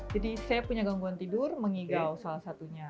jadi saya punya gangguan tidur mengigau salah satunya